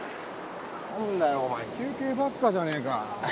なんだよお前休憩ばっかじゃねえか。